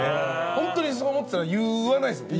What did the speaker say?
ホントにそう思ってたら言わないですもんね。